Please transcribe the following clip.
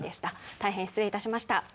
大変失礼いたしました。